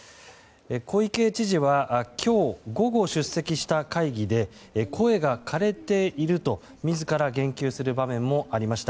小池知事は今日午後、出席した会議で声がかれていると自ら言及する場面もありました。